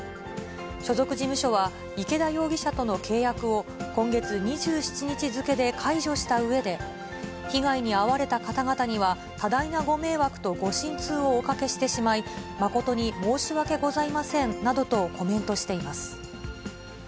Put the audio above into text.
所属事務所は、池田容疑者との契約を今月２７日付で解除したうえで、被害に遭われた方々には多大なご迷惑とご心痛をおかけしてしまい、誠に申し訳ございませんなどとコメントしています。